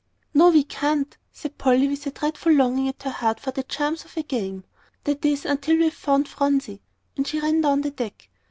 "No, we can't," said Polly, with a dreadful longing at her heart for the charms of a game; "that is, until we've found Phronsie." And she ran down the deck.